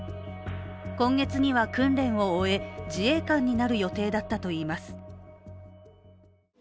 今月には訓練を終え自衛官になる予定だったといいます。